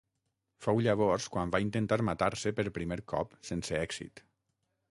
Fou llavors quan va intentar matar-se per primer cop sense èxit.